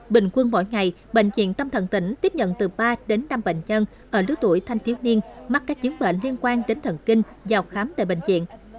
bình quân mỗi ngày bệnh viện tâm thần tỉnh tiếp nhận từ ba đến năm bệnh nhân ở lứa tuổi thanh thiếu niên mắc các chứng bệnh liên quan đến thần kinh vào khám tại bệnh viện